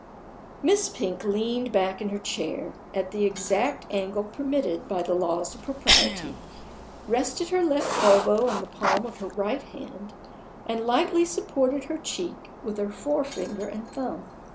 Miss Pink leaned back in her chair, at the exact angle permitted by the laws of propriety; rested her left elbow on the palm of her right hand, and lightly supported her cheek with her forefinger and thumb.